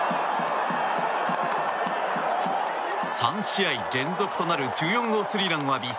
３試合連続となる１４号スリーランを浴び